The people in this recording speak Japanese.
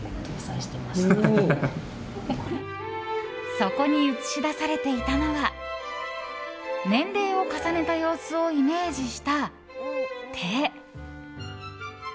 そこに映し出されていたのは年齢を重ねた様子をイメージした手。